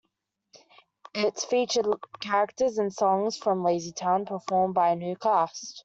It featured characters and songs from "LazyTown", performed by a new cast.